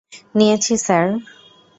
নিয়েছি, স্যার!